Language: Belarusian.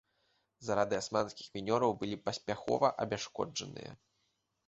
Зарады асманскіх мінёраў былі паспяхова абясшкоджаныя.